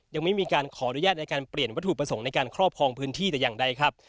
ยังไม่มีการขออนุญาตในการเปลี่ยนวัตถุประสงค์ในการครอบครองพื้นที่แต่อย่างใดครับ